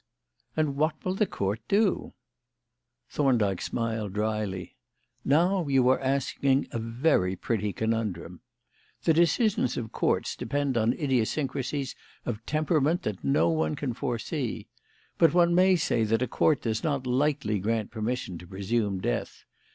"And what will the Court do?" Thorndyke smiled drily. "Now you are asking a very pretty conundrum. The decisions of Courts depend on idiosyncrasies of temperament that no one can foresee. But one may say that a Court does not lightly grant permission to presume death.